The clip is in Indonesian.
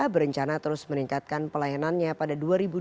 berencana terus meningkatkan pelayanannya pada dua ribu dua puluh